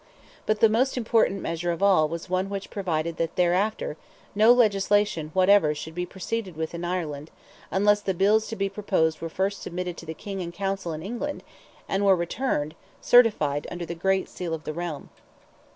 But the most important measure of all was one which provided that thereafter no legislation whatever should be proceeded with in Ireland, unless the bills to be proposed were first submitted to the King and Council in England, and were returned, certified under the great seal of the realm.